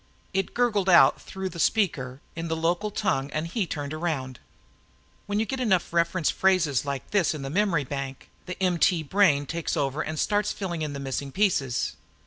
It gurgled out through the speaker in the local tongue and he turned around. When you get enough reference phrases like this in the memory bank, the MT brain takes over and starts filling in the missing pieces.